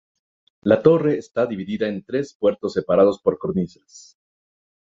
La torre está dividida en tres puertos separados por cornisas.